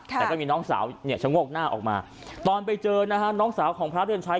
แต่ก็มีน้องสาวเนี่ยชะโงกหน้าออกมาตอนไปเจอนะฮะน้องสาวของพระเดือนชัย